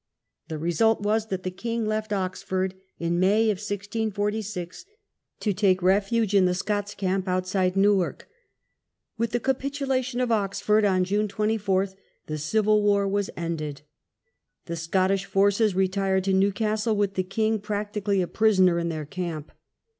The result was that the king left Oxford in May, 1646, to take refuge in the Scots camp outside Newark. With the capitulation of Oxford on June 24 the civil war was ended. The Scottish forces retired to Newcastle with the king practically a prisoner in their camp.